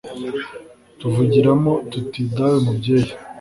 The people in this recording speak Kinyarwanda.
tuvugiramo tuti dawe mubyeyi